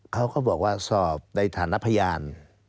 เขาก็บอกว่าสอบในฐานะพยาน